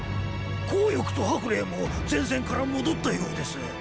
項翼と白麗も前線から戻ったようです。